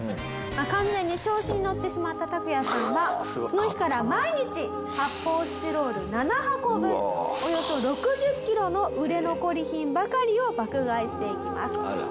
完全に調子にのってしまったタクヤさんはその日から毎日発泡スチロール７箱分およそ６０キロの売れ残り品ばかりを爆買いしていきます。